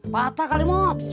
patah kali mod